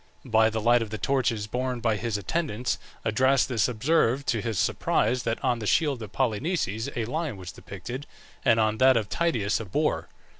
By the light of the torches borne by his attendants Adrastus observed, to his surprise, that on the shield of Polynices a lion was depicted, and on that of Tydeus a boar.